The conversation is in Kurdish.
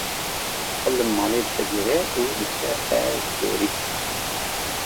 xwe li malê digire û diçe ber derî